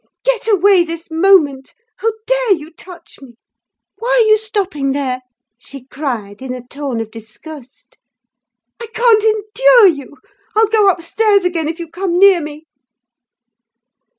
"'Get away this moment! How dare you touch me? Why are you stopping there?' she cried, in a tone of disgust. 'I can't endure you! I'll go upstairs again, if you come near me.